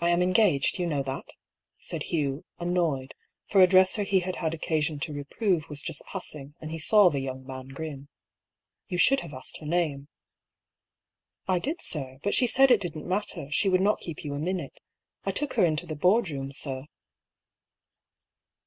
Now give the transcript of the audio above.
*'I am engaged, yon know that," said Hugh, an noyed, for a dresser he had had occasion to reprove was just passing, and he saw the young man grin. " You should have asked her name." *^ I did, sir. But she said it didn't matter, she would not keep you a minute. I took her into the board room, sir."